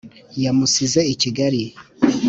yamusize i kigali,